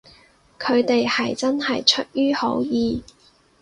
佢哋係真係出於好意